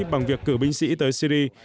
bằng việc cử binh sĩ tới syria